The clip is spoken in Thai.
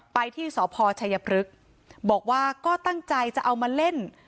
ไปที่สพชัยพฤกษ์บอกว่าก็ตั้งใจจะเอามาเล่น